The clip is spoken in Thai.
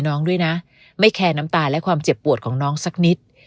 น้องด้วยนะไม่แคร์น้ำตาและความเจ็บปวดของน้องสักนิด